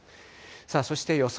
そして予想